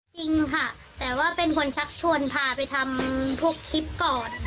จริงค่ะแต่ว่าเป็นคนชักชวนพาไปทำทุกคลิปก่อน